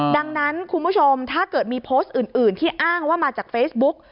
ดังนั้นคุณผู้ชมถ้าเกิดมีโพสต์อื่นที่อ้างว่ามาจากเฟซบุ๊ก